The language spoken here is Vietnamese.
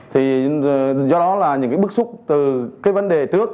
thì do đó là những cái bức xúc từ cái vấn đề trước